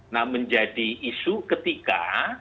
nah menjadi isu ketika